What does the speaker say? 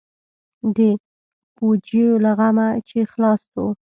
د پوجيو له غمه چې خلاص سو.